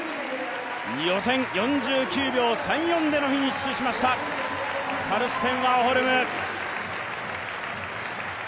予選４９秒３４でフィニッシュしましたカルステン・ワーホルム。